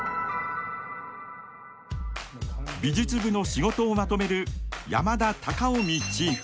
美術部の仕事をまとめる山田崇臣チーフ。